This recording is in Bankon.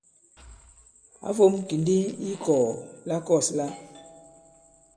Ǎ fōm kì ndī i ikɔ̀ɔ̀ la kɔ̂s lā.